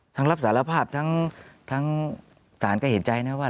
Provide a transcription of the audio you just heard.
รับสารภาพทั้งศาลก็เห็นใจนะว่า